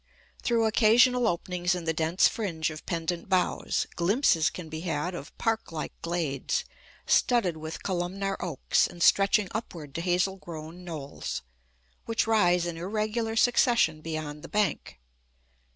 Through occasional openings in the dense fringe of pendent boughs, glimpses can be had of park like glades, studded with columnar oaks, and stretching upward to hazel grown knolls, which rise in irregular succession beyond the bank.